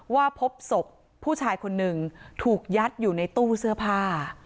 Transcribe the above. ว่าพบศพผู้ชายคนหนึ่งถูกยัดอยู่ในตู้เสื้อผ้า